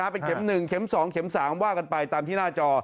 เป็นเข็ม๑เข็ม๒เข็ม๓ว่ากันไปตามที่หน้าจอ